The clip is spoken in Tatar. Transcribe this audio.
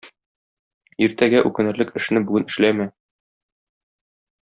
Иртәгә үкенерлек эшне бүген эшләмә.